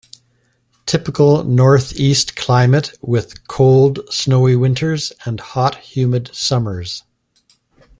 Typical Northeast climate with cold, snowy winters and hot humid summers.